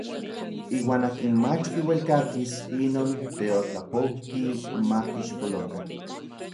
Iuan akin mach kiuelkakis inon teotlapouki ma kixpolokan.